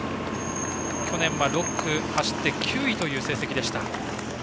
去年は６区を走って９位という成績でした。